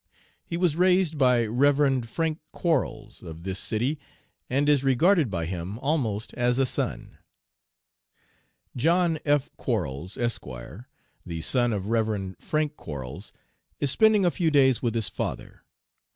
He was raised by Rev. Frank Quarles, of this city, and is regarded by him almost as a son. "John F. Quarles, Esq., the son of Rev. Frank Quarles, is spending a few days with his father.